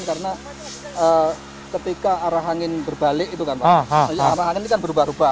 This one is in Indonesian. karena ketika arah angin berbalik arah angin ini berubah ubah